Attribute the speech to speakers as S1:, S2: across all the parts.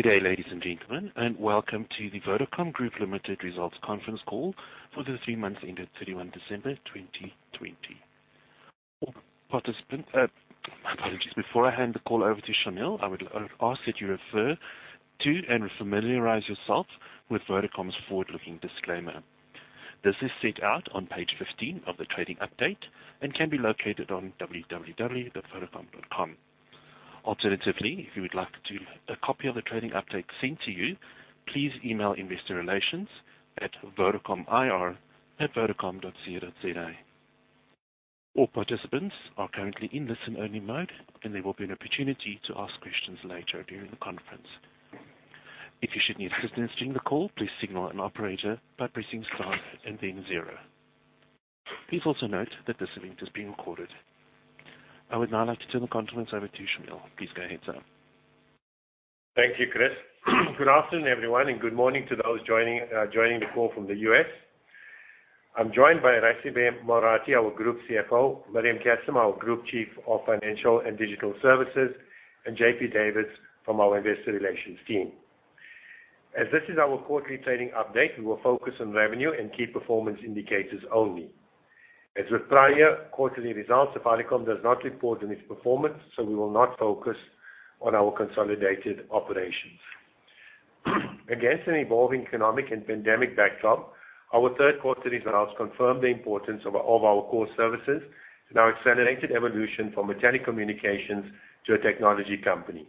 S1: Good day, ladies and gentlemen, welcome to the Vodacom Group Limited results conference call for the three months ending 31 December 2020. My apologies. Before I hand the call over to Shameel, I would ask that you refer to and familiarize yourself with Vodacom's forward-looking disclaimer. This is set out on page 15 of the trading update and can be located on www.vodacom.com. Alternatively, if you would like a copy of the trading update sent to you, please email investor relations at vodacomir@vodacom.co.za. All participants are currently in listen-only mode, there will be an opportunity to ask questions later during the conference. If you should need assistance during the call, please signal an operator by pressing star and then zero. Please also note that this event is being recorded. I would now like to turn the conference over to Shameel. Please go ahead, sir.
S2: Thank you, Chris. Good afternoon, everyone, and good morning to those joining the call from the U.S. I'm joined by Raisibe Morathi, our Group CFO, Mariam Cassim, our Group Chief of Financial and Digital Services, and JP Davids from our investor relations team. As this is our quarterly trading update, we will focus on revenue and key performance indicators only. As with prior quarterly results, Vodacom does not report on its performance, so we will not focus on our consolidated operations. Against an evolving economic and pandemic backdrop, our third quarter results confirmed the importance of all our core services and our accelerated evolution from a telecommunications to a technology company.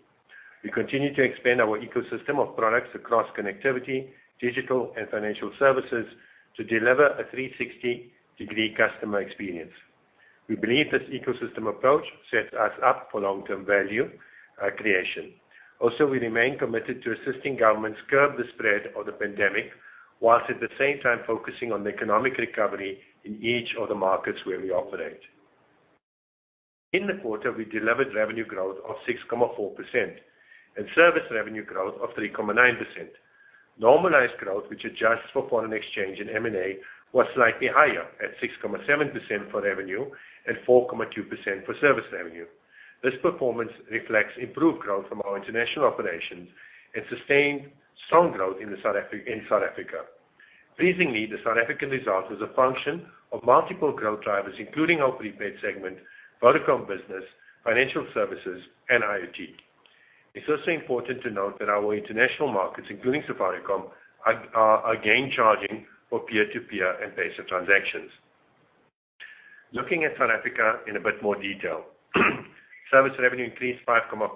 S2: We continue to expand our ecosystem of products across connectivity, digital, and financial services to deliver a 360-degree customer experience. We believe this ecosystem approach sets us up for long-term value creation. Also, we remain committed to assisting governments curb the spread of the pandemic, while at the same time focusing on the economic recovery in each of the markets where we operate. In the quarter, we delivered revenue growth of 6.4% and service revenue growth of 3.9%. Normalized growth, which adjusts for foreign exchange and M&A, was slightly higher at 6.7% for revenue and 4.2% for service revenue. This performance reflects improved growth from our international operations and sustained strong growth in South Africa. Pleasingly, the South African result is a function of multiple growth drivers, including our prepaid segment, Vodacom Business, financial services, and IoT. It's also important to note that our international markets, including Safaricom, are again charging for peer-to-peer and basic transactions. Looking at South Africa in a bit more detail. Service revenue increased 5.4%,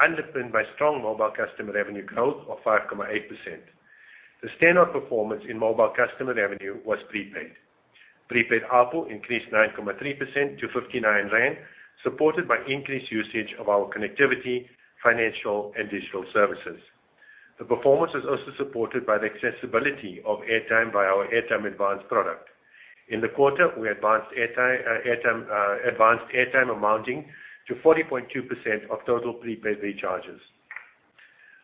S2: underpinned by strong mobile customer revenue growth of 5.8%. The standout performance in mobile customer revenue was prepaid. Prepaid ARPU increased 9.3% to 59 rand, supported by increased usage of our connectivity, financial, and digital services. The performance was also supported by the accessibility of airtime by our Airtime Advance product. In the quarter, we advanced airtime amounting to 40.2% of total prepaid recharges.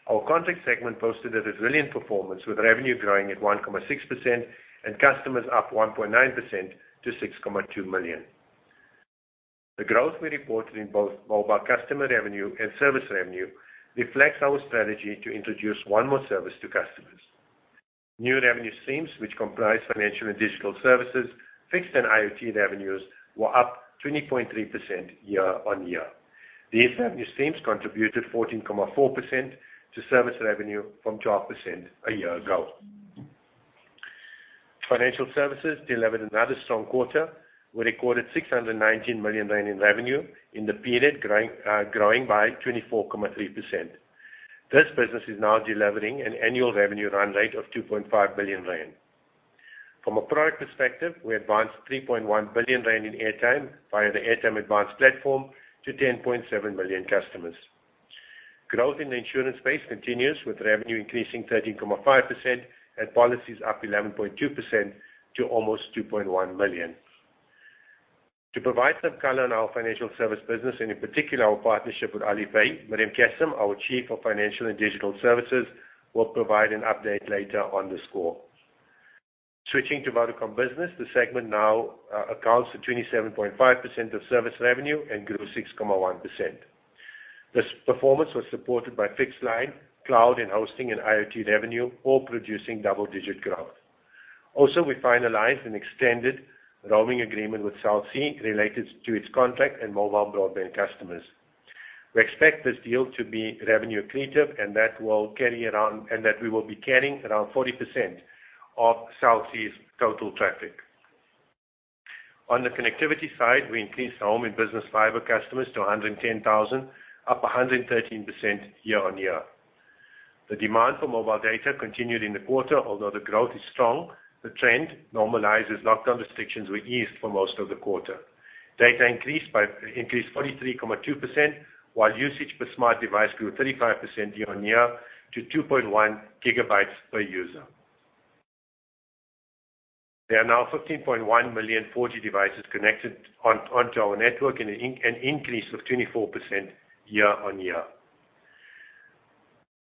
S2: Our contract segment posted a resilient performance, with revenue growing at 1.6% and customers up 1.9% to 6.2 million. The growth we reported in both mobile customer revenue and service revenue reflects our strategy to introduce one more service to customers. New revenue streams, which comprise financial and digital services, fixed, and IoT revenues were up 20.3% year-on-year. These revenue streams contributed 14.4% to service revenue from 12% a year ago. Financial services delivered another strong quarter. We recorded 619 million rand in revenue in the period, growing by 24.3%. This business is now delivering an annual revenue run rate of 2.5 billion rand. From a product perspective, we advanced 3.1 billion rand in airtime via the Airtime Advance platform to 10.7 million customers. Growth in the insurance space continues, with revenue increasing 13.5% and policies up 11.2% to almost 2.1 million. To provide some color on our financial service business, and in particular, our partnership with Alipay, Mariam Cassim, our Chief of Financial and Digital Services, will provide an update later on this call. Switching to Vodacom Business, the segment now accounts for 27.5% of service revenue and grew 6.1%. This performance was supported by fixed line, cloud, and hosting, and IoT revenue, all producing double-digit growth. We finalized an extended roaming agreement with Cell C related to its contract and mobile broadband customers. We expect this deal to be revenue accretive, and that we will be carrying around 40% of Cell C's total traffic. On the connectivity side, we increased home and business fiber customers to 110,000, up 113% year-on-year. The demand for mobile data continued in the quarter. Although the growth is strong, the trend normalizes lockdown restrictions were eased for most of the quarter. Data increased 43.2%, while usage per smart device grew 35% year-on-year to 2.1 GB per user. There are now 15.1 million 4G devices connected onto our network, an increase of 24% year-on-year.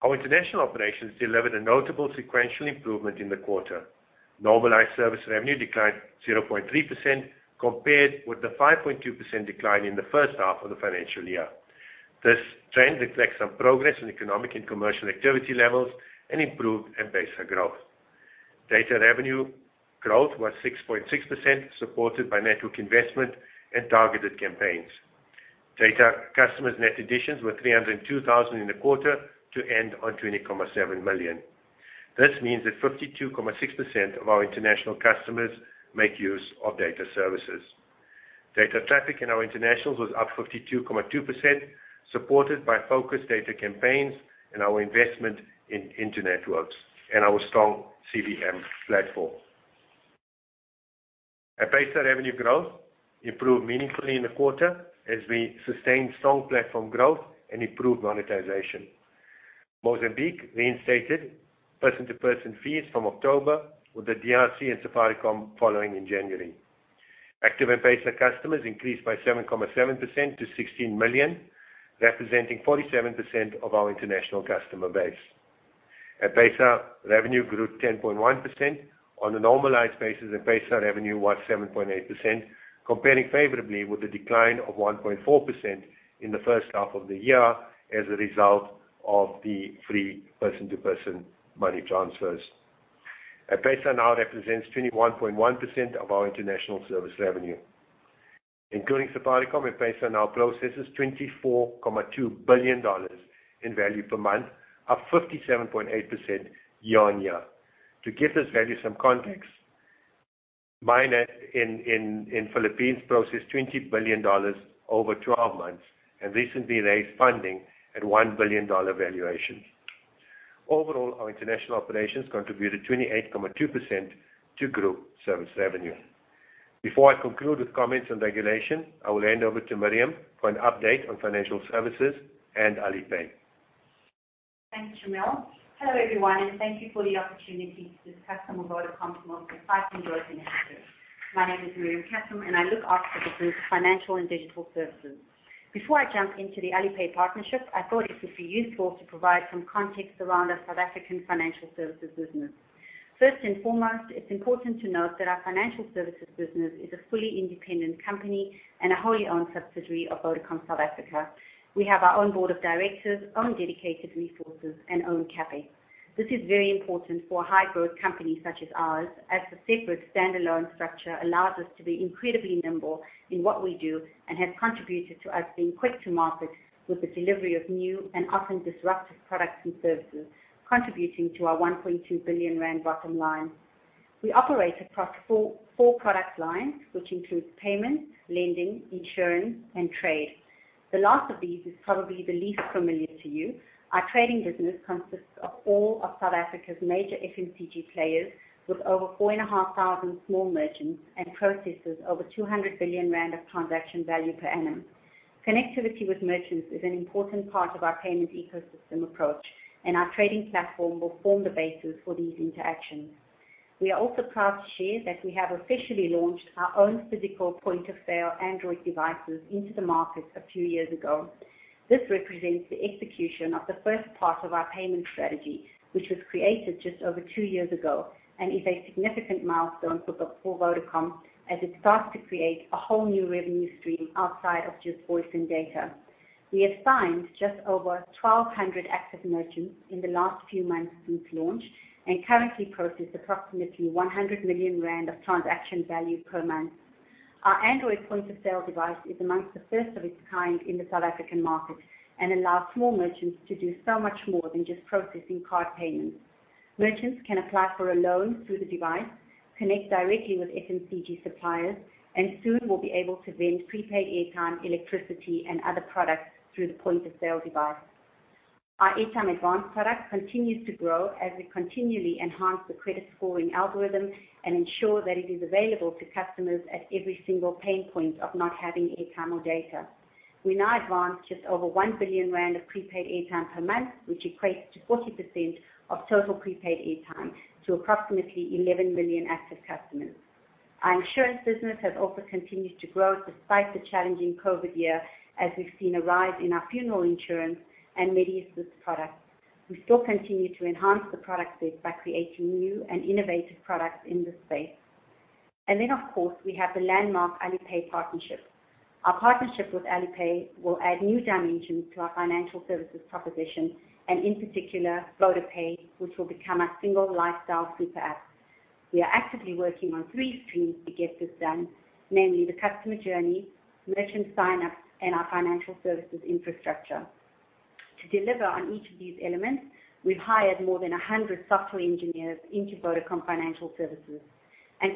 S2: Our international operations delivered a notable sequential improvement in the quarter. Normalized service revenue declined 0.3% compared with the 5.2% decline in the first half of the financial year. This trend reflects some progress in economic and commercial activity levels and improved M-PESA growth. Data revenue growth was 6.6%, supported by network investment and targeted campaigns. Data customers net additions were 302,000 in the quarter to end on 20.7 million. This means that 52.6% of our international customers make use of data services. Data traffic in our internationals was up 52.2%, supported by focused data campaigns and our investment in networks and our strong CVM platform. M-PESA revenue growth improved meaningfully in the quarter as we sustained strong platform growth and improved monetization. Mozambique reinstated person-to-person fees from October with the DRC and Safaricom following in January. Active M-PESA customers increased by 7.7% to 16 million, representing 47% of our international customer base. M-PESA revenue grew 10.1%. On a normalized basis, M-PESA revenue was 7.8%, comparing favorably with the decline of 1.4% in the first half of the year as a result of the free person-to-person money transfers. M-PESA now represents 21.1% of our international service revenue. Including Safaricom, M-PESA now processes $24.2 billion in value per month, up 57.8% year on year. To give this value some context, Mynt in Philippines processed $20 billion over 12 months and recently raised funding at $1 billion valuation. Overall, our international operations contributed 28.2% to group service revenue. Before I conclude with comments on regulation, I will hand over to Mariam for an update on financial services and Alipay.
S3: Thanks, Shameel. Hello, everyone, and thank you for the opportunity to discuss some of Vodacom's most exciting growth initiatives. My name is Mariam Cassim, and I look after the group's financial and digital services. Before I jump into the Alipay partnership, I thought it would be useful to provide some context around our South African financial services business. First and foremost, it's important to note that our financial services business is a fully independent company and a wholly owned subsidiary of Vodacom South Africa. We have our own board of directors, own dedicated resources, and own CapEx. This is very important for a high-growth company such as ours, as the separate standalone structure allows us to be incredibly nimble in what we do and has contributed to us being quick to market with the delivery of new and often disruptive products and services, contributing to our 1.2 billion rand bottom line. We operate across four product lines, which includes payment, lending, insurance, and trade. The last of these is probably the least familiar to you. Our trading business consists of all of South Africa's major FMCG players, with over 4,500 small merchants and processes over 200 billion rand of transaction value per annum. Connectivity with merchants is an important part of our payment ecosystem approach, and our trading platform will form the basis for these interactions. We are also proud to share that we have officially launched our own physical point-of-sale Android devices into the market a few years ago. This represents the execution of the first part of our payment strategy, which was created just over two years ago and is a significant milestone for Vodacom as it starts to create a whole new revenue stream outside of just voice and data. We have signed just over 1,200 active merchants in the last few months since launch and currently process approximately 100 million rand of transaction value per month. Our Android point-of-sale device is amongst the first of its kind in the South African market and allows small merchants to do so much more than just processing card payments. Merchants can apply for a loan through the device, connect directly with FMCG suppliers, and soon will be able to vend prepaid airtime, electricity, and other products through the point-of-sale device. Our Airtime Advance product continues to grow as we continually enhance the credit scoring algorithm and ensure that it is available to customers at every single pain point of not having airtime or data. We now advance just over 1 billion rand of prepaid airtime per month, which equates to 40% of total prepaid airtime to approximately 11 million active customers. Our insurance business has also continued to grow despite the challenging COVID year, as we've seen a rise in our funeral insurance and med assist products. We still continue to enhance the product base by creating new and innovative products in this space. Then, of course, we have the landmark Alipay partnership. Our partnership with Alipay will add new dimensions to our financial services proposition, and in particular, VodaPay, which will become our single lifestyle super app. We are actively working on three streams to get this done, namely the customer journey, merchant signups, and our financial services infrastructure. To deliver on each of these elements, we've hired more than 100 software engineers into Vodacom Financial Services.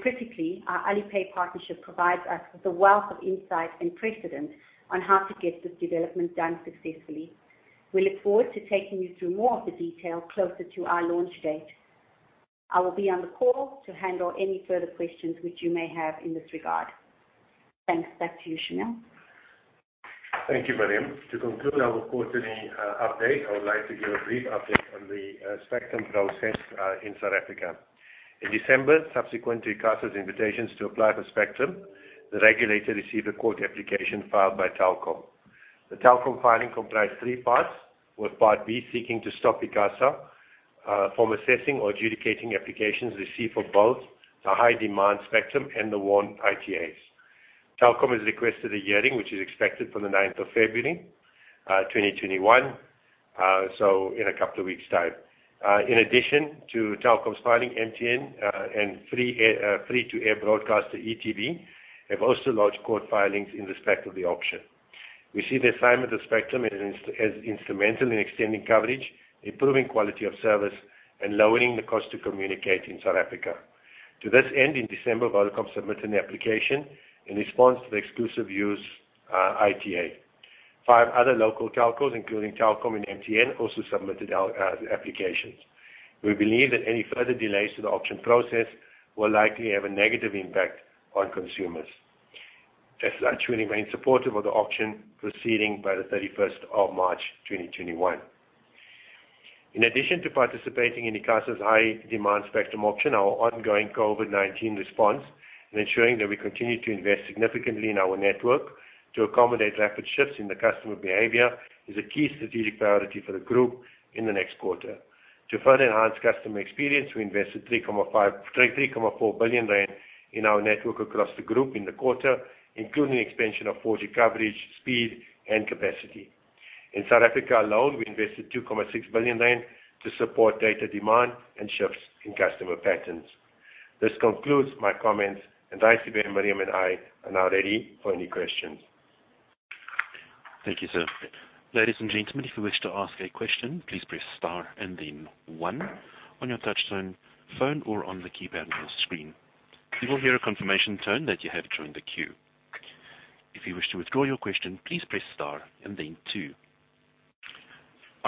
S3: Critically, our Alipay partnership provides us with a wealth of insight and precedent on how to get this development done successfully. We look forward to taking you through more of the detail closer to our launch date. I will be on the call to handle any further questions which you may have in this regard. Thanks. Back to you, Shameel.
S2: Thank you, Mariam. To conclude our quarterly update, I would like to give a brief update on the spectrum process in South Africa. In December, subsequent to ICASA's invitations to apply for spectrum, the regulator received a court application filed by Telkom. The Telkom filing comprised three parts, with Part B seeking to stop ICASA from assessing or adjudicating applications received for both the high-demand spectrum and the WOAN ITAs. Telkom has requested a hearing, which is expected from the 9th of February 2021, so in a couple of weeks' time. In addition to Telkom's filing, MTN and free-to-air broadcaster, e.tv, have also lodged court filings in respect of the auction. We see the assignment of spectrum as instrumental in extending coverage, improving quality of service, and lowering the cost to communicate in South Africa. To this end, in December, Vodacom submitted an application in response to the exclusive use ITA. Five other local telcos, including Telkom and MTN, also submitted applications. We believe that any further delays to the auction process will likely have a negative impact on consumers. As such, we remain supportive of the auction proceeding by the 31st of March 2021. In addition to participating in ICASA's high-demand spectrum auction, our ongoing COVID-19 response and ensuring that we continue to invest significantly in our network to accommodate rapid shifts in the customer behavior is a key strategic priority for the Group in the next quarter. To further enhance customer experience, we invested 3.4 billion rand in our network across the group in the quarter, including expansion of 4G coverage, speed, and capacity. In South Africa alone, we invested 2.6 billion rand to support data demand and shifts in customer patterns. This concludes my comments, and Raisibe, Mariam, and I are now ready for any questions.
S1: Our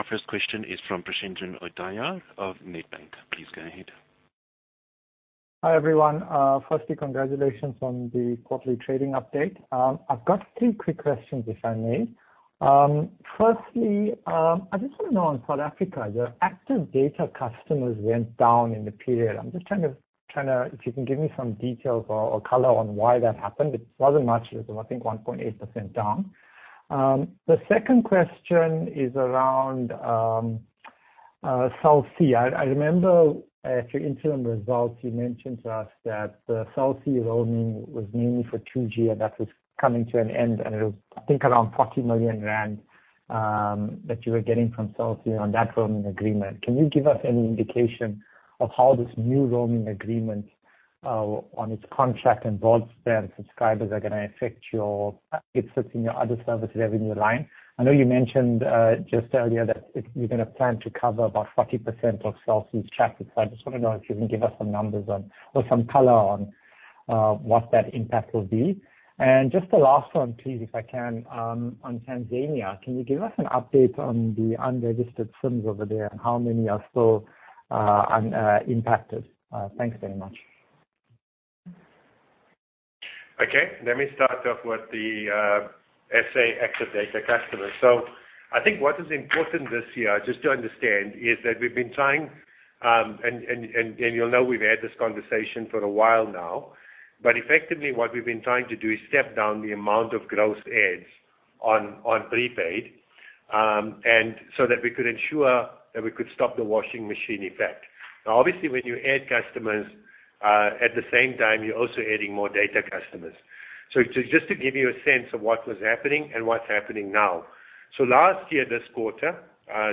S1: first question is from Preshendran Odayar of Nedbank. Please go ahead.
S4: Hi, everyone. Firstly, congratulations on the quarterly trading update. I've got three quick questions, if I may. Firstly, I just want to know, in South Africa, your active data customers went down in the period. If you can give me some details or color on why that happened. It wasn't much. It was, I think, 1.8% down. The second question is around Cell C. I remember at your interim results, you mentioned to us that the Cell C roaming was mainly for 2G and that was coming to an end, and it was, I think, around 40 million rand that you were getting from Cell C on that roaming agreement. Can you give us any indication of how this new roaming agreement on its contract and broadband subscribers are going to affect your other service revenue line? I know you mentioned just earlier that you're going to plan to cover about 40% of Cell C's traffic. I just want to know if you can give us some numbers or some color on what that impact will be. Just the last one, please, if I can, on Tanzania, can you give us an update on the unregistered SIMs over there and how many are still impacted? Thanks very much.
S2: Let me start off with the SA active data customers. I think what is important this year, just to understand, is that we've been trying, and you'll know we've had this conversation for a while now, but effectively what we've been trying to do is step down the amount of gross adds on prepaid, and so that we could ensure that we could stop the washing machine effect. Obviously, when you add customers, at the same time, you're also adding more data customers. Just to give you a sense of what was happening and what's happening now. Last year, this quarter,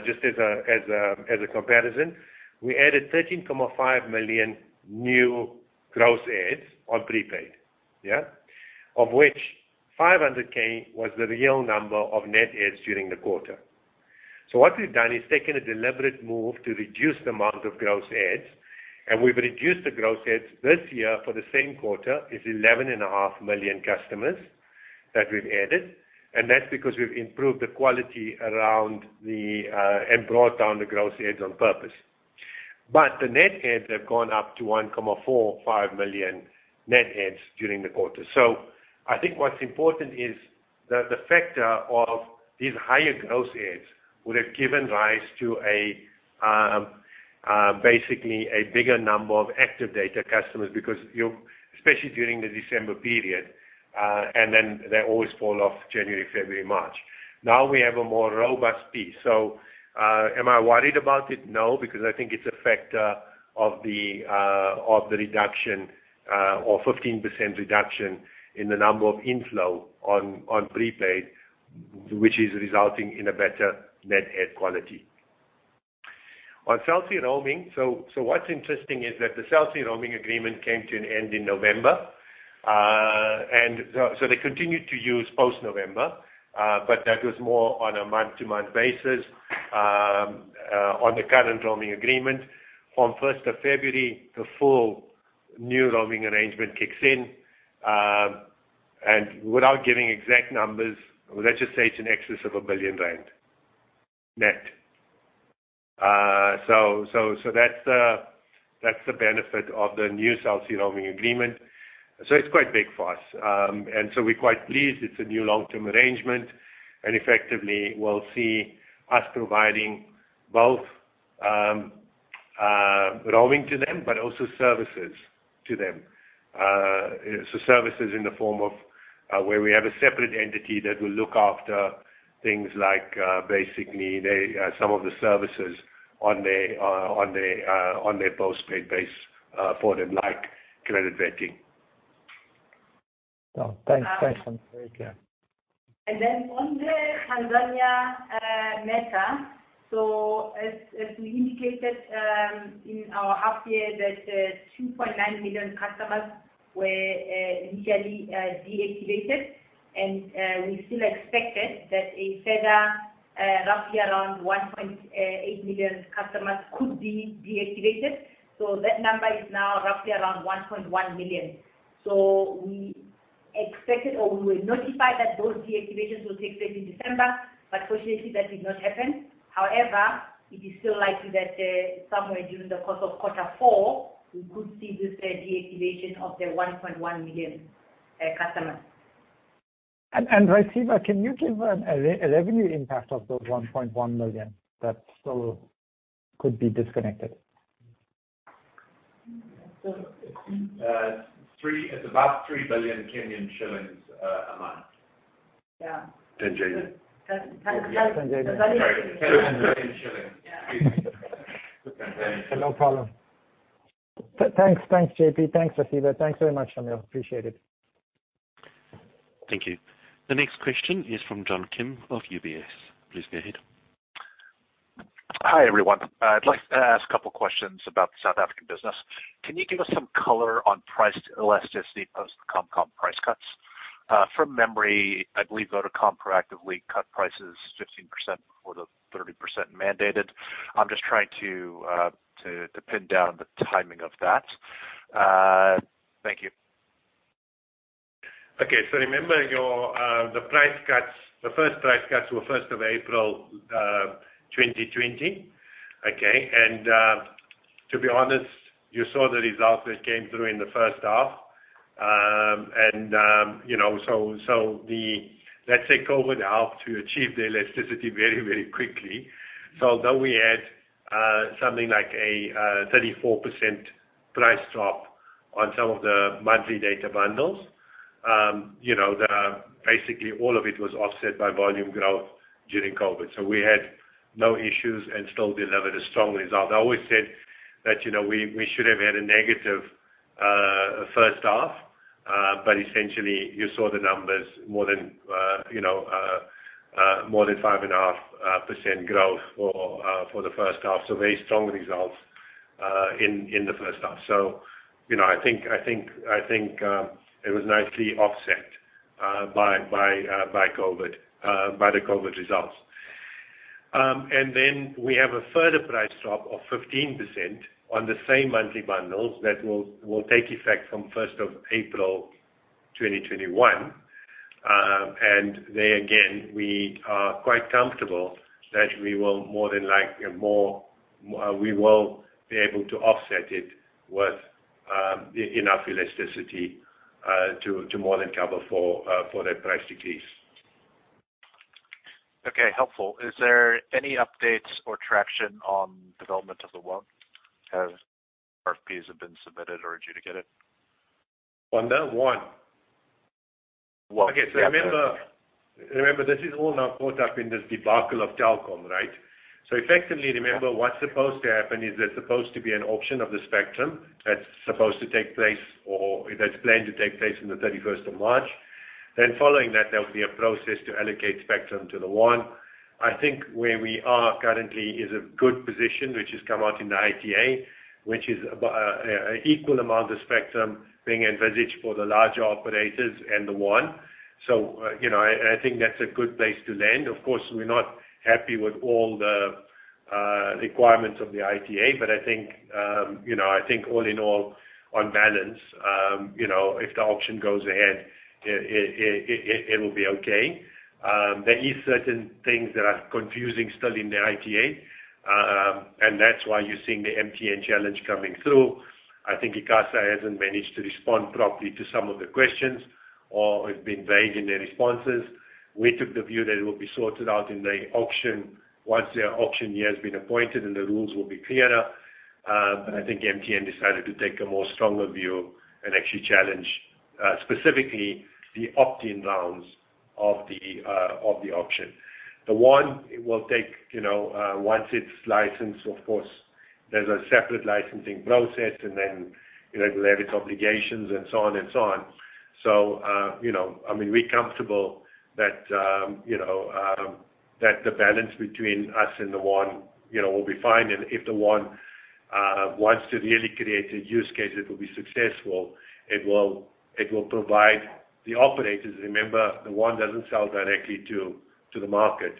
S2: just as a comparison, we added 13.5 million new gross adds on prepaid. Yeah. Of which 500,000 was the real number of net adds during the quarter. What we've done is taken a deliberate move to reduce the amount of gross adds, and we've reduced the gross adds this year for the same quarter, is 11.5 million customers that we've added, and that's because we've improved the quality and brought down the gross adds on purpose. The net adds have gone up to 1.45 million net adds during the quarter. I think what's important is the factor of these higher gross adds would have given rise to basically a bigger number of active data customers, because especially during the December period, and then they always fall off January, February, March. Now we have a more robust piece. Am I worried about it? No, because I think it's effect of the reduction or 15% reduction in the number of inflow on prepaid, which is resulting in a better net add quality. On Cell C roaming, what's interesting is that the Cell C roaming agreement came to an end in November. They continued to use post-November, but that was more on a month-to-month basis on the current roaming agreement. On 1st of February, the full new roaming arrangement kicks in. Without giving exact numbers, let's just say it's in excess of 1 billion rand net. That's the benefit of the new Cell C roaming agreement. We're quite pleased it's a new long-term arrangement and effectively will see us providing both roaming to them, but also services to them. Services in the form of where we have a separate entity that will look after things like, basically, some of the services on their postpaid base for them, like credit vetting.
S4: Oh, thanks. Very clear.
S5: On the Tanzania matter, as we indicated in our half year that 2.9 million customers were initially deactivated. We still expected that a further roughly around 1.8 million customers could be deactivated. That number is now roughly around 1.1 million. We expected or we were notified that those deactivations will take place in December, fortunately, that did not happen. It is still likely that somewhere during the course of quarter four, we could see this deactivation of the 1.1 million customers.
S4: Raisibe, can you give a revenue impact of those 1.1 million that still could be disconnected?
S6: It's about TZS 3 billion a month.
S5: Yeah.
S6: Tanzanian.
S5: Tanzania.
S6: Sorry. Tanzanian shilling.
S4: No problem. Thanks, JP. Thanks, Raisibe. Thanks very much, Shameel. Appreciate it.
S1: Thank you. The next question is from John Kim of UBS. Please go ahead.
S7: Hi, everyone. I'd like to ask a couple questions about the South African business. Can you give us some color on price elasticity post the CompCom price cuts? From memory, I believe Vodacom proactively cut prices 15% before the 30% mandated. I'm just trying to pin down the timing of that. Thank you.
S2: Remember the price cuts, the first price cuts were 1st of April 2020. To be honest, you saw the result that came through in the first half. Let's say COVID helped to achieve the elasticity very quickly. Although we had something like a 34% price drop on some of the monthly data bundles. Basically all of it was offset by volume growth during COVID. We had no issues and still delivered a strong result. I always said that we should have had a negative first half. Essentially you saw the numbers more than 5.5% growth for the first half, so very strong results in the first half. I think it was nicely offset by the COVID results. We have a further price drop of 15% on the same monthly bundles that will take effect from 1st of April 2021. There again, we are quite comfortable that we will more than likely be able to offset it with enough elasticity, to more than cover for that price decrease.
S7: Okay. Helpful. Is there any updates or traction on development of the WOAN? Has RFPs have been submitted or adjudicated?
S2: On the WOAN?
S7: WOAN.
S2: Okay. Remember, this is all now caught up in this debacle of Telkom, right? Effectively, remember, what's supposed to happen is there's supposed to be an auction of the spectrum that's supposed to take place, or that's planned to take place on the 31st of March. Following that, there will be a process to allocate spectrum to the WOAN. I think where we are currently is a good position, which has come out in the ITA, which is about equal amount of spectrum being envisaged for the larger operators and the WOAN. I think that's a good place to land. Of course, we're not happy with all the requirements of the ITA, but I think all in all, on balance, if the auction goes ahead, it'll be okay. There is certain things that are confusing still in the ITA, and that's why you're seeing the MTN challenge coming through. I think ICASA hasn't managed to respond properly to some of the questions or have been vague in their responses. We took the view that it will be sorted out in the auction once the auctioneer has been appointed, and the rules will be clearer. I think MTN decided to take a more stronger view and actually challenge, specifically the opt-in rounds of the auction. The WOAN will take, once it's licensed, of course, there's a separate licensing process, and then it will have its obligations and so on and so on. We comfortable that the balance between us and the WOAN will be fine. If the WOAN wants to really create a use case that will be successful, it will provide the operators. Remember, the WOAN doesn't sell directly to the market.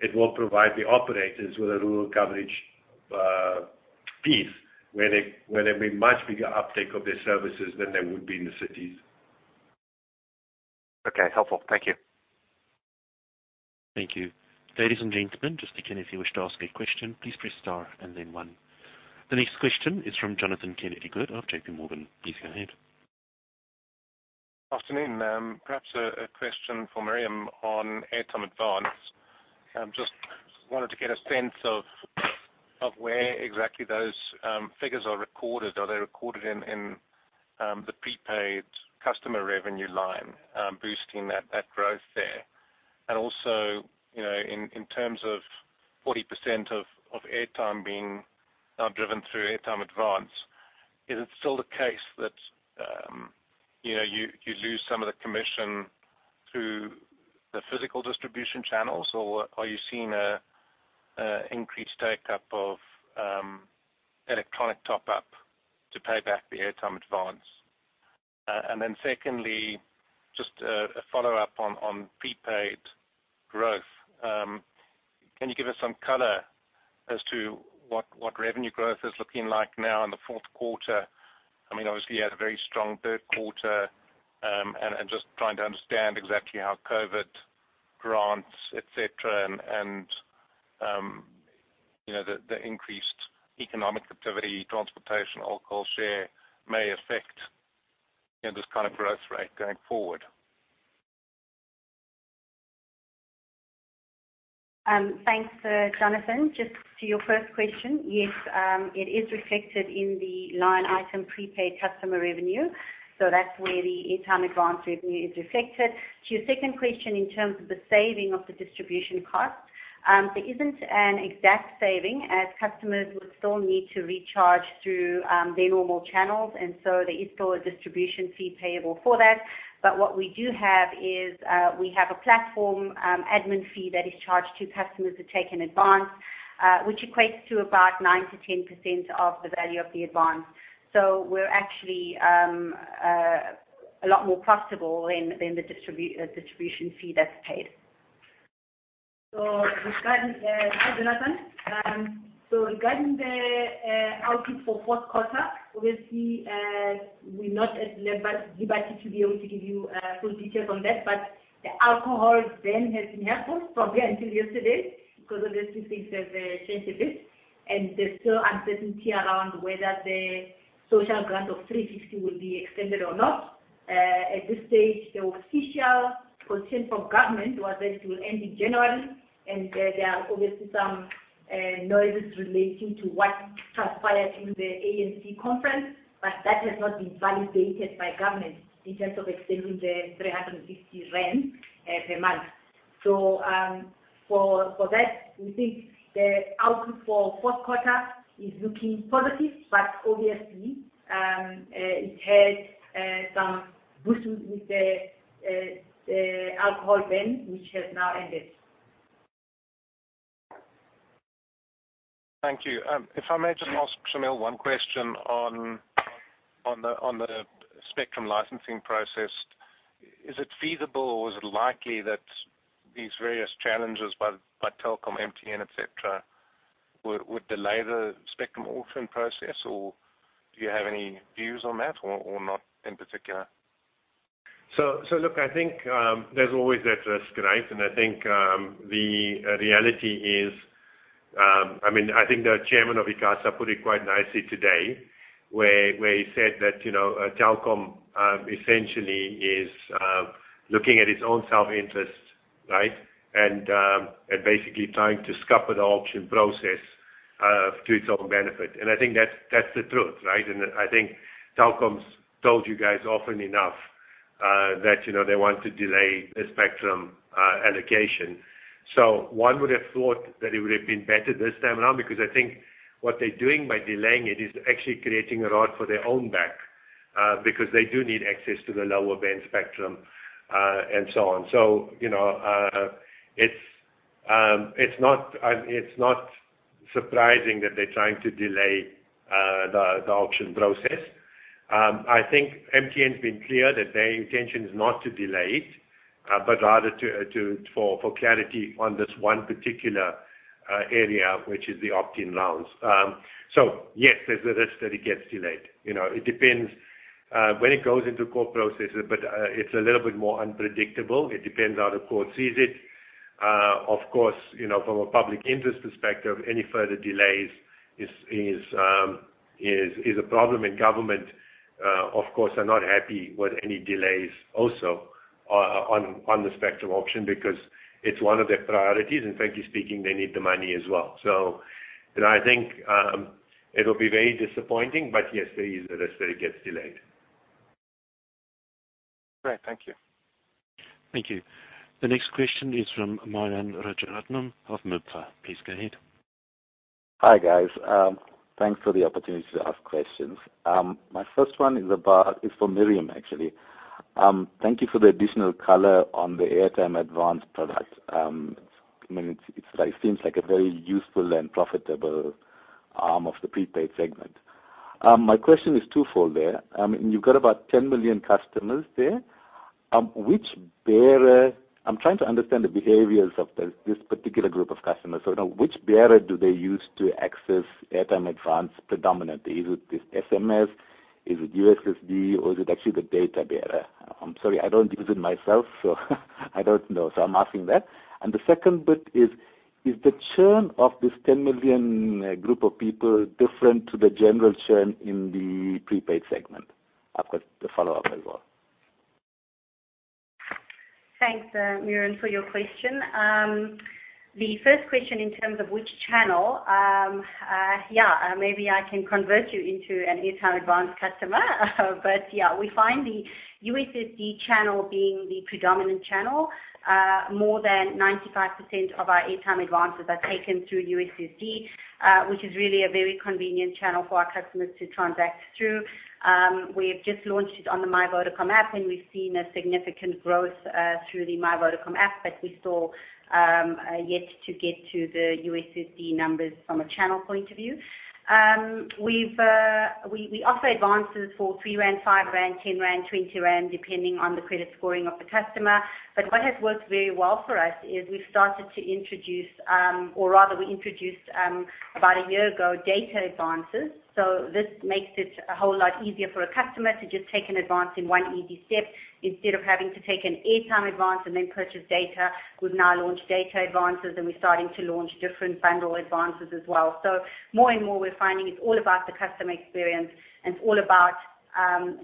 S2: It will provide the operators with a rural coverage piece where there'll be much bigger uptake of their services than there would be in the cities.
S7: Okay. Helpful. Thank you.
S1: Thank you. Ladies and gentlemen, just again, if you wish to ask a question, please press star and then one. The next question is from Jonathan Kennedy-Good of JPMorgan. Please go ahead.
S8: Afternoon. Perhaps a question for Mariam on Airtime Advance. Just wanted to get a sense of where exactly those figures are recorded. Are they recorded in the prepaid customer revenue line, boosting that growth there? In terms of 40% of Airtime being now driven through Airtime Advance, is it still the case that you lose some of the commission through the physical distribution channels, or are you seeing an increased take-up of electronic top-up to pay back the Airtime Advance? Secondly, just a follow-up on prepaid growth. Can you give us some color as to what revenue growth is looking like now in the fourth quarter? Obviously you had a very strong third quarter, and just trying to understand exactly how COVID grants, et cetera, and the increased economic activity, transportation, alcohol share may affect this kind of growth rate going forward.
S3: Thanks, Jonathan. To your first question, yes, it is reflected in the line item prepaid customer revenue. That's where the Airtime Advance revenue is reflected. To your second question, in terms of the saving of the distribution cost, there isn't an exact saving, as customers would still need to recharge through their normal channels, there is still a distribution fee payable for that. What we do have is, we have a platform admin fee that is charged to customers who take an advance, which equates to about 9%-10% of the value of the advance. We're actually a lot more profitable than the distribution fee that's paid.
S5: Regarding, hi, Jonathan. Regarding the outlook for fourth quarter, obviously, we're not at liberty to be able to give you full details on that, but the alcohol ban has been helpful from here until yesterday because obviously things have changed a bit, and there's still uncertainty around whether the social grant of 350 will be extended or not. At this stage, the official position from government was that it will end in January, and there are obviously some noises relating to what transpired in the ANC conference, but that has not been validated by government in terms of extending the 350 rand per month. For that, we think the outlook for fourth quarter is looking positive, but obviously, it had some boosted with the alcohol ban, which has now ended.
S8: Thank you. If I may just ask Shameel one question on the spectrum licensing process. Is it feasible, or is it likely that these various challenges by Telkom, MTN, et cetera, would delay the spectrum auction process, or do you have any views on that, or not in particular?
S2: Look, I think there's always that risk. I think the reality is, the chairman of ICASA put it quite nicely today where he said that Telkom essentially is looking at its own self-interest. Basically trying to scupper the auction process to its own benefit. I think that's the truth. I think Telkom's told you guys often enough that they want to delay the spectrum allocation. One would've thought that it would've been better this time around, because I think what they're doing by delaying it is actually creating a rod for their own back, because they do need access to the lower band spectrum, and so on. It's not surprising that they're trying to delay the auction process. I think MTN's been clear that their intention is not to delay it, but rather for clarity on this one particular area, which is the opt-in rounds. Yes, there's a risk that it gets delayed. It depends when it goes into court processes, but it's a little bit more unpredictable. It depends how the court sees it. Of course, from a public interest perspective, any further delays is a problem, and government, of course, are not happy with any delays also on the spectrum auction because it's one of their priorities, and frankly speaking, they need the money as well. I think it'll be very disappointing, but yes, there is a risk that it gets delayed.
S8: Great. Thank you.
S1: Thank you. The next question is from Myuran Rajaratnam of MIBFA. Please go ahead.
S9: Hi, guys. Thanks for the opportunity to ask questions. My first one is for Mariam, actually. Thank you for the additional color on the Airtime Advance product. It seems like a very useful and profitable arm of the prepaid segment. My question is twofold there. You've got about 10 million customers there. I'm trying to understand the behaviors of this particular group of customers. Which bearer do they use to access Airtime Advance predominantly? Is it SMS? Is it USSD, or is it actually the data bearer? I'm sorry, I don't use it myself, so I don't know. I'm asking that. The second bit is the churn of this 10 million group of people different to the general churn in the prepaid segment? I've got the follow-up as well.
S3: Thanks, Myuran, for your question. The first question in terms of which channel, maybe I can convert you into an Airtime Advance customer. Yeah, we find the USSD channel being the predominant channel. More than 95% of our Airtime Advances are taken through USSD, which is really a very convenient channel for our customers to transact through. We've just launched it on the MyVodacom app, and we've seen a significant growth through the MyVodacom app, but we're still yet to get to the USSD numbers from a channel point of view. We offer advances for 3 rand, 5 rand, 10 rand, 20 rand, depending on the credit scoring of the customer. What has worked very well for us is we've started to introduce, or rather we introduced about one year ago, data advances. This makes it a whole lot easier for a customer to just take an advance in one easy step instead of having to take an Airtime Advance and then purchase data. We've now launched data advances, and we're starting to launch different bundle advances as well. More and more, we're finding it's all about the customer experience, and it's all about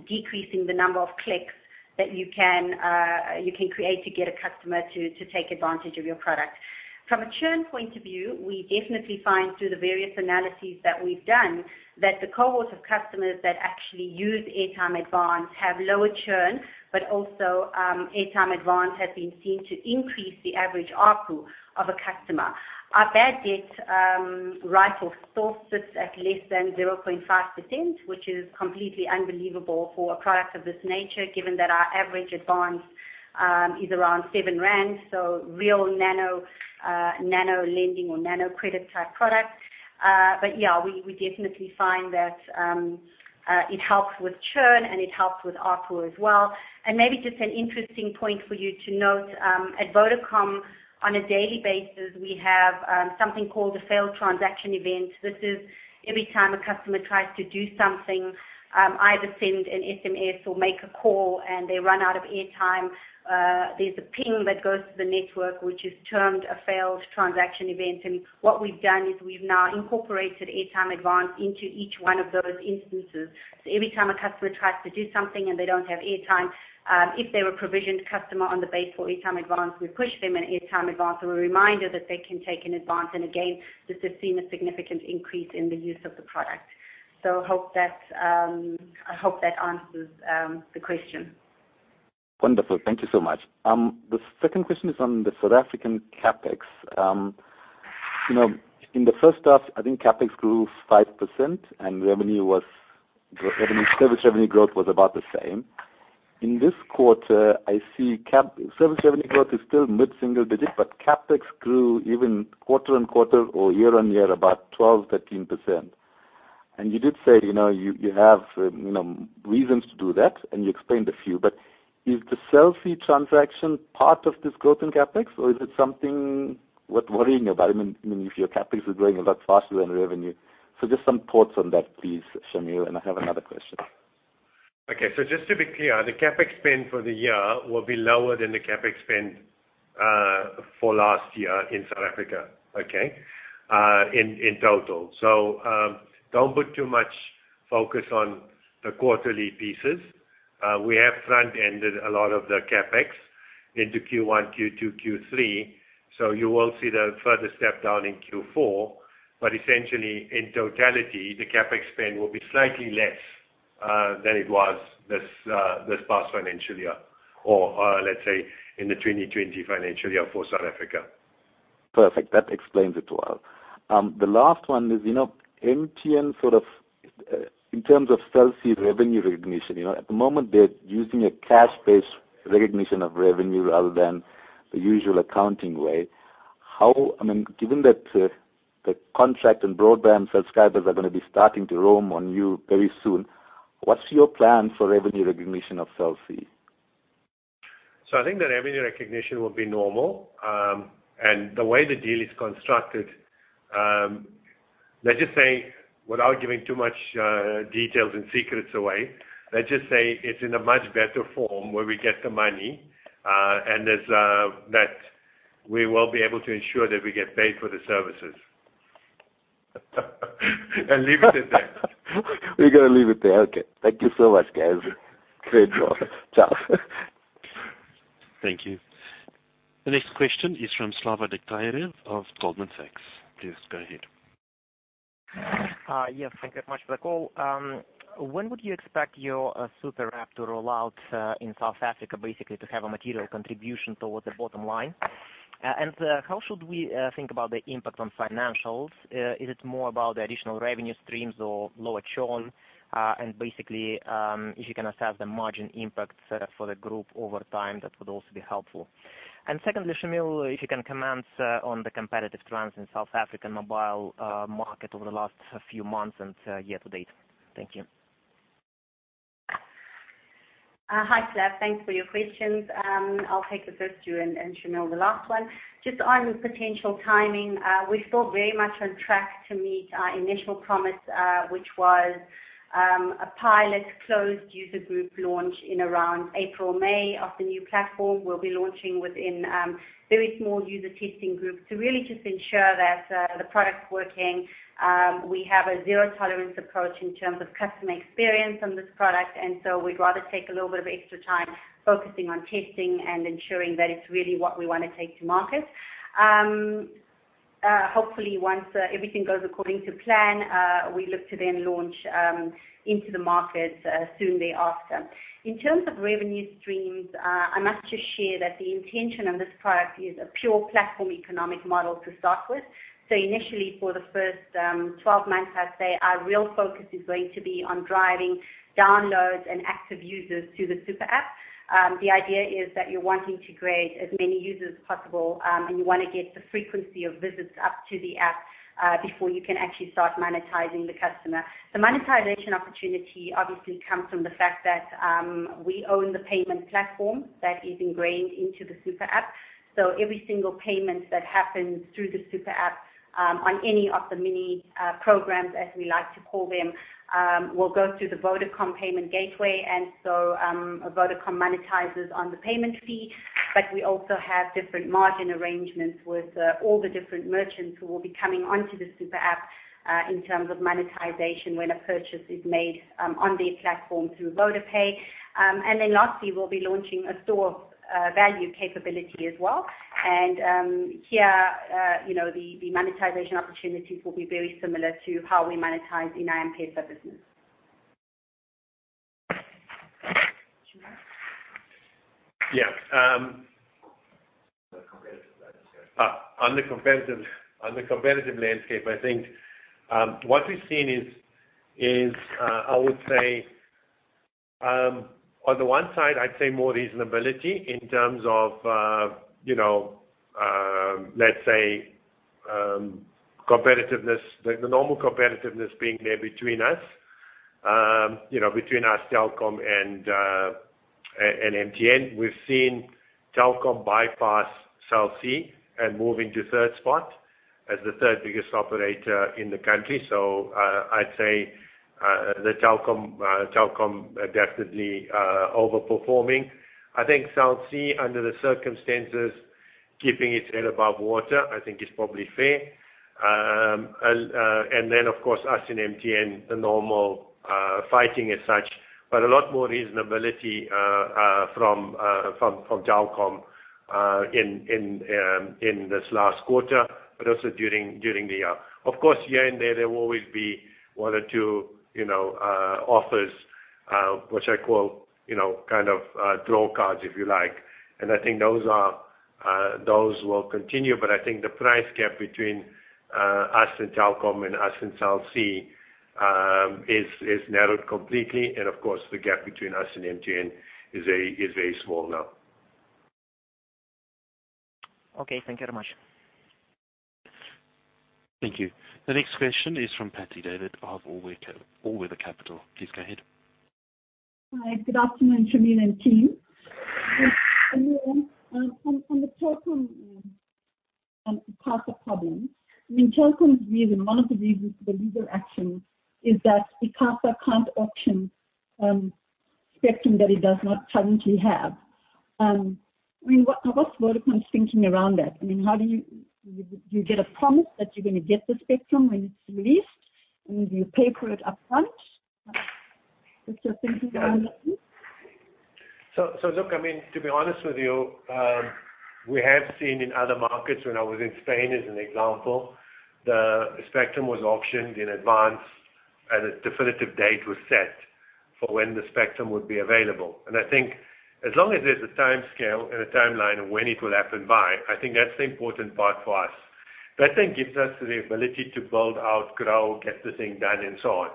S3: decreasing the number of clicks that you can create to get a customer to take advantage of your product. From a churn point of view, we definitely find through the various analyses that we've done, that the cohort of customers that actually use Airtime Advance have lower churn, also Airtime Advance has been seen to increase the average ARPU of a customer. Our bad debt write-off still sits at less than 0.5%, which is completely unbelievable for a product of this nature, given that our average advance is around 7 rand, so real nano lending or nano credit type product. Yeah, we definitely find that it helps with churn, and it helps with ARPU as well. Maybe just an interesting point for you to note, at Vodacom, on a daily basis, we have something called a failed transaction event. This is every time a customer tries to do something, either send an SMS or make a call and they run out of airtime, there's a ping that goes to the network, which is termed a failed transaction event. What we've done is we've now incorporated Airtime Advance into each one of those instances. Every time a customer tries to do something and they don't have airtime, if they're a provisioned customer on the base for Airtime Advance, we push them an Airtime Advance or a reminder that they can take an advance. Again, this has seen a significant increase in the use of the product. I hope that answers the question.
S9: Wonderful. Thank you so much. The second question is on the South African CapEx. In the first half, I think CapEx grew 5%, and service revenue growth was about the same. In this quarter, I see service revenue growth is still mid-single digits, but CapEx grew even quarter on quarter or year on year about 12%, 13%. You did say you have reasons to do that, and you explained a few. Is the Cell C transaction part of this growth in CapEx, or is it something worth worrying about? I mean, if your CapEx is growing a lot faster than revenue. Just some thoughts on that, please, Shameel. I have another question.
S2: Okay. Just to be clear, the CapEx spend for the year will be lower than the CapEx spend for last year in South Africa, okay. In total. Don't put too much focus on the quarterly pieces. We have front-ended a lot of the CapEx into Q1, Q2, Q3, so you will see the further step down in Q4. Essentially, in totality, the CapEx spend will be slightly less than it was this past financial year, or let's say, in the 2020 financial year for South Africa.
S9: Perfect. That explains it well. The last one is MTN sort of in terms of Cell C revenue recognition. At the moment, they're using a cash-based recognition of revenue rather than the usual accounting way. Given that the contract and broadband subscribers are going to be starting to roam on you very soon, what's your plan for revenue recognition of Cell C?
S2: I think the revenue recognition will be normal. The way the deal is constructed, let's just say, without giving too much details and secrets away, let's just say it's in a much better form where we get the money, and that we will be able to ensure that we get paid for the services. I'll leave it at that.
S9: We're going to leave it there. Okay. Thank you so much, guys. Great job. Ciao.
S1: Thank you. The next question is from Slava Degtyarev of Goldman Sachs. Please go ahead.
S10: Yes, thank you very much for the call. When would you expect your super-app to roll out in South Africa, basically to have a material contribution towards the bottom line? How should we think about the impact on financials? Is it more about the additional revenue streams or lower churn? Basically, if you can assess the margin impact for the group over time, that would also be helpful. Secondly, Shameel, if you can comment on the competitive trends in South African mobile market over the last few months and year to date. Thank you.
S3: Hi, Claire. Thanks for your questions. I'll take the first two and Shameel the last one. Just on the potential timing, we're still very much on track to meet our initial promise, which was a pilot closed user group launch in around April, May of the new platform. We'll be launching within very small user testing groups to really just ensure that the product's working. We have a zero tolerance approach in terms of customer experience on this product, and so we'd rather take a little bit of extra time focusing on testing and ensuring that it's really what we want to take to market. Hopefully, once everything goes according to plan, we look to then launch into the market shortly thereafter. In terms of revenue streams, I must just share that the intention of this product is a pure platform economic model to start with. Initially, for the first 12 months, I'd say our real focus is going to be on driving downloads and active users to the super-app. The idea is that you're wanting to create as many users as possible, and you want to get the frequency of visits up to the app, before you can actually start monetizing the customer. The monetization opportunity obviously comes from the fact that we own the payment platform that is ingrained into the super-app. Every single payment that happens through the super-app on any of the mini programs, as we like to call them, will go through the Vodacom payment gateway. Vodacom monetizes on the payment fee. We also have different margin arrangements with all the different merchants who will be coming onto the super app in terms of monetization when a purchase is made on their platform through VodaPay. Lastly, we'll be launching a stored value capability as well. Here the monetization opportunities will be very similar to how we monetize in our M-PESA business. Shameel.
S2: Yeah.
S10: The competitive landscape.
S2: On the competitive landscape, what we've seen is, on the one side, more reasonability in terms of competitiveness, the normal competitiveness being there between us, Telkom, and MTN. We've seen Telkom bypass Cell C and move into third spot as the third biggest operator in the country. Telkom definitely over-performing. Cell C, under the circumstances, keeping its head above water, is probably fair. Of course, us and MTN, the normal fighting as such. A lot more reasonability from Telkom in this last quarter, but also during the year. Of course, here and there will always be one or two offers, which I call kind of draw cards. I think those will continue, but I think the price gap between us and Telkom and us and Cell C is narrowed completely, and of course, the gap between us and MTN is very small now.
S10: Okay. Thank you very much.
S1: Thank you. The next question is from Patsy David of All Weather Capital. Please go ahead.
S11: Hi. Good afternoon, Shameel and team. Shameel, on the Telkom and ICASA problem, Telkom's reason, one of the reasons for the legal action is that ICASA can't auction spectrum that it does not currently have. What's Vodacom's thinking around that? Do you get a promise that you're going to get the spectrum when it's released? Do you pay for it upfront? What's your thinking around that please?
S2: Look, to be honest with you, we have seen in other markets, when I was in Spain as an example, the spectrum was auctioned in advance and a definitive date was set for when the spectrum would be available. I think as long as there's a timescale and a timeline of when it will happen by, I think that's the important part for us. That gives us the ability to build out, grow, get the thing done, and so on.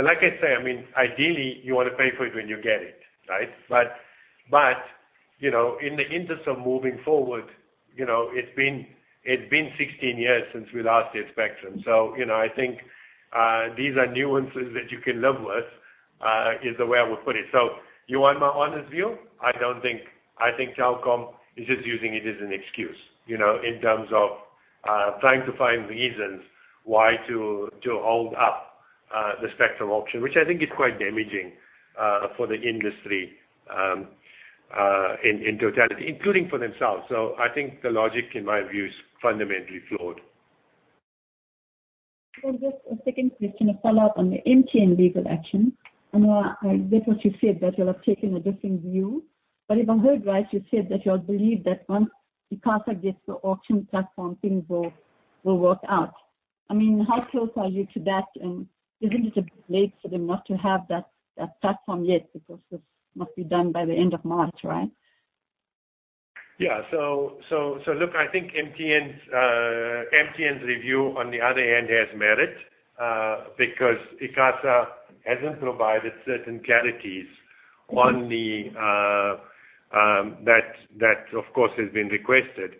S2: Like I say, ideally, you want to pay for it when you get it, right? In the interest of moving forward, it's been 16 years since we last did spectrum. I think these are nuances that you can live with, is the way I would put it. You want my honest view? I think Telkom is just using it as an excuse in terms of trying to find reasons why to hold up the spectrum auction, which I think is quite damaging for the industry in totality, including for themselves. I think the logic, in my view, is fundamentally flawed.
S11: Just a second question, a follow-up on the MTN legal action. I know that what you said, that you will have taken a different view. If I heard right, you said that you believe that once ICASA gets the auction platform, things will work out. How close are you to that? Isn't it a bit late for them not to have that platform yet, because this must be done by the end of March, right?
S2: Look, I think MTN's review on the other end has merit, because ICASA hasn't provided certain clarities. That, of course, has been requested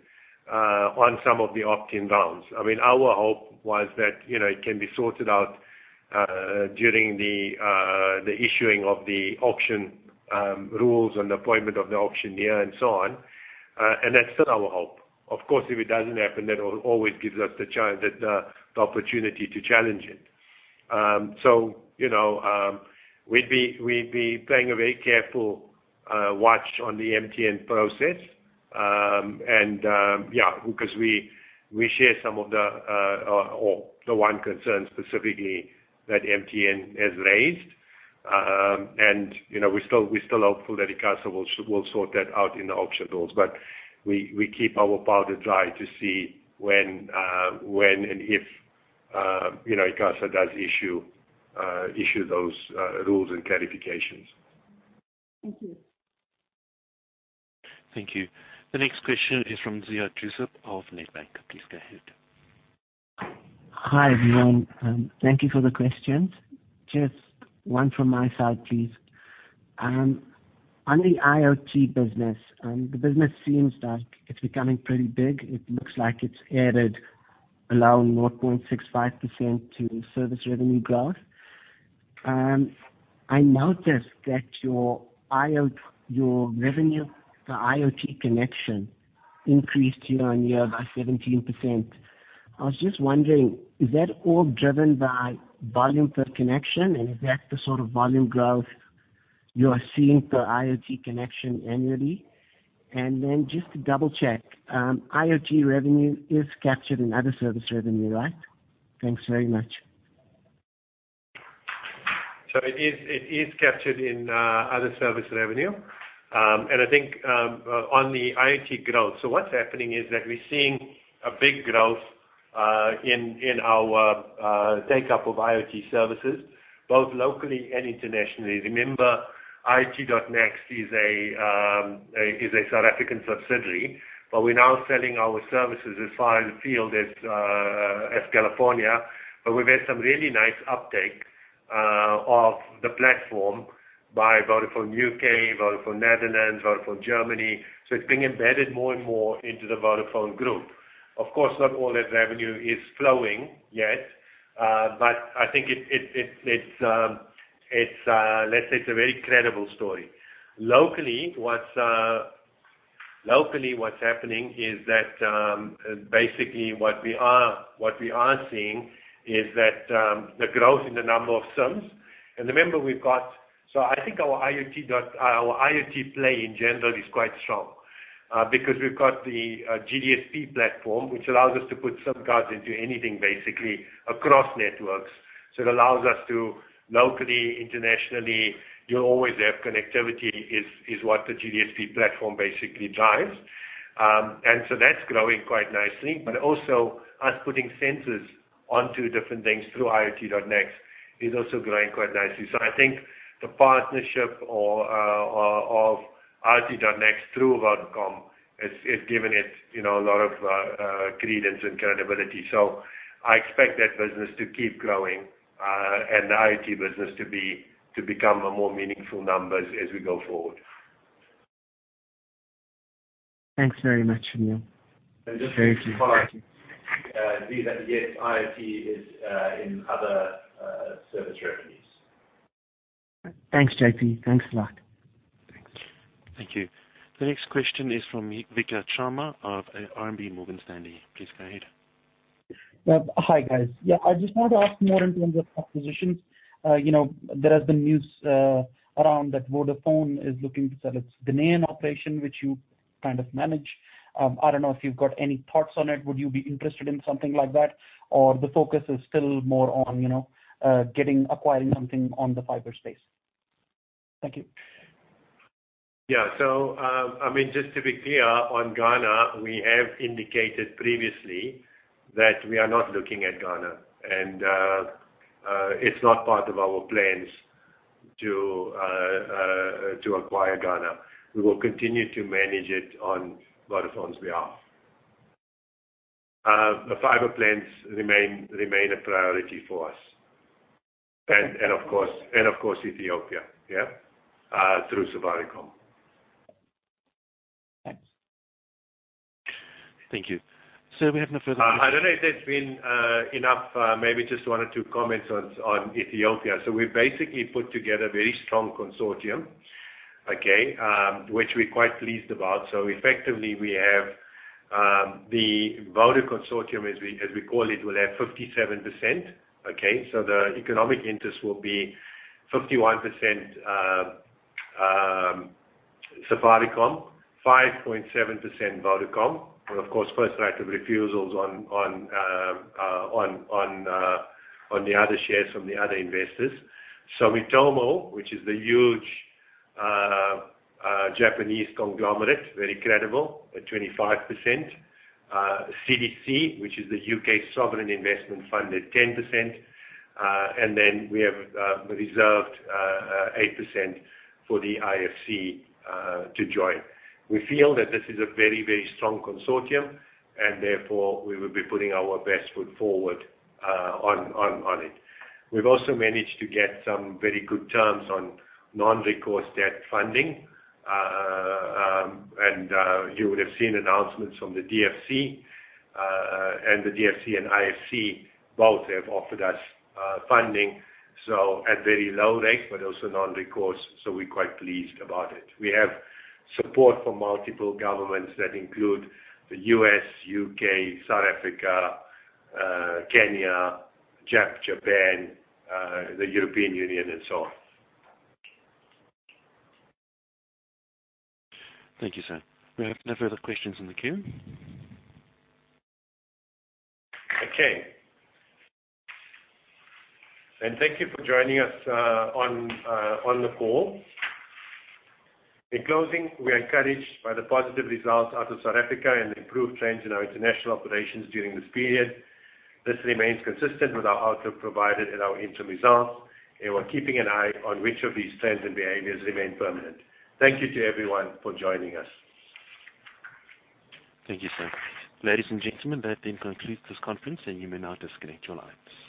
S2: on some of the opt-in rounds. Our hope was that it can be sorted out during the issuing of the auction rules and appointment of the auctioneer and so on. That's still our hope. Of course, if it doesn't happen, that always gives us the opportunity to challenge it. We'd be paying a very careful watch on the MTN process. Because we share the one concern specifically that MTN has raised. We're still hopeful that ICASA will sort that out in the auction rules. We keep our powder dry to see when and if ICASA does issue those rules and clarifications.
S11: Thank you.
S1: Thank you. The next question is from Ziyad Joosub of Nedbank. Please go ahead.
S12: Hi, everyone. Thank you for the questions. Just one from my side, please. On the IoT business, the business seems like it's becoming pretty big. It looks like it's added around 0.65% to service revenue growth. I noticed that your revenue for IoT connection increased year-on-year by 17%. I was just wondering, is that all driven by volume per connection, and is that the sort of volume growth you are seeing per IoT connection annually? Just to double-check, IoT revenue is captured in other service revenue, right? Thanks very much.
S2: It is captured in other service revenue. I think on the IoT growth, what's happening is that we're seeing a big growth in our take-up of IoT services, both locally and internationally. Remember, IoT.nxt is a South African subsidiary, but we're now selling our services as far in the field as California. We've had some really nice uptake of the platform by Vodafone U.K., Vodafone Netherlands, Vodafone Germany. It's being embedded more and more into the Vodacom Group. Of course, not all that revenue is flowing yet, but I think it's a very credible story. Locally, what's happening is that basically what we are seeing is that the growth in the number of SIMs. Remember, I think our IoT play, in general, is quite strong because we've got the GDSP platform, which allows us to put SIM cards into anything, basically, across networks. It allows us to locally, internationally, you'll always have connectivity is what the GDSP platform basically drives. That's growing quite nicely, but also us putting sensors onto different things through IoT.nxt is also growing quite nicely. I think the partnership of IoT.nxt through Vodacom has given it a lot of credence and credibility. I expect that business to keep growing, and the IoT business to become a more meaningful numbers as we go forward.
S12: Thanks very much, Shameel.
S6: Just to follow up, Ziyad, yes, IoT is in other service revenues.
S12: Thanks, JP. Thanks a lot.
S1: Thank you. The next question is from Vikhyat Sharma of RMB Morgan Stanley. Please go ahead.
S13: Hi, guys. Yeah, I just want to ask more in terms of acquisitions. There has been news around that Vodafone is looking to sell its Ghanaian operation, which you kind of manage. I don't know if you've got any thoughts on it. Would you be interested in something like that? The focus is still more on acquiring something on the fiber space? Thank you.
S2: Yeah. Just to be clear, on Ghana, we have indicated previously that we are not looking at Ghana, and it's not part of our plans to acquire Ghana. We will continue to manage it on Vodacom's behalf. The fiber plans remain a priority for us. Of course, Ethiopia, yeah, through Safaricom.
S13: Thanks.
S1: Thank you. Sir, we have no further questions.
S2: I don't know if there's been enough, maybe just one or two comments on Ethiopia. We've basically put together a very strong consortium, okay, which we're quite pleased about. Effectively, we have the Voda consortium, as we call it, will have 57%, okay? The economic interest will be 51% Safaricom, 5.7% Vodacom, and of course, first right of refusals on the other shares from the other investors. Sumitomo, which is the huge Japanese conglomerate, very credible, at 25%. CDC, which is the U.K. Sovereign investment fund, at 10%. We have reserved 8% for the IFC to join. We feel that this is a very, very strong consortium, and therefore, we will be putting our best foot forward on it. We've also managed to get some very good terms on non-recourse debt funding. You would have seen announcements from the DFC, and the DFC and IFC both have offered us funding, so at very low rates, but also non-recourse. We're quite pleased about it. We have support from multiple governments that include the U.S., U.K., South Africa, Kenya, Japan, the European Union, and so on.
S1: Thank you, sir. We have no further questions in the queue.
S2: Okay. Thank you for joining us on the call. In closing, we're encouraged by the positive results out of South Africa and the improved trends in our international operations during this period. This remains consistent with our outlook provided in our interim results, and we're keeping an eye on which of these trends and behaviors remain permanent. Thank you to everyone for joining us.
S1: Thank you, sir. Ladies and gentlemen, that then concludes this conference, and you may now disconnect your lines.